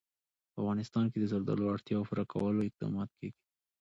په افغانستان کې د زردالو د اړتیاوو پوره کولو اقدامات کېږي.